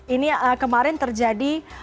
ini adalah kemarin terjadi